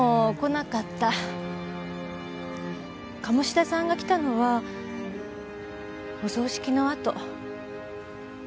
鴨志田さんが来たのはお葬式のあと。